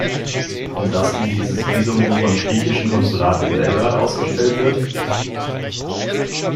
Und dass ihm dieses Visum nur beim griechischen Konsulat in Belgrad ausgestellt wird?